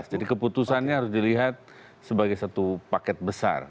jadi keputusannya harus dilihat sebagai satu paket besar